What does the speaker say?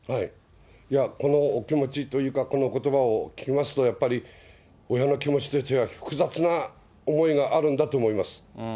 このお気持ちというか、このことばを聞きますと、やっぱり親の気持ちとしては複雑な思いがあるんだと思います。